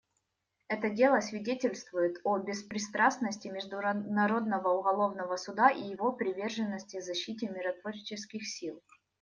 Это дело свидетельствует о беспристрастности Международного уголовного суда и его приверженности защите миротворческих сил.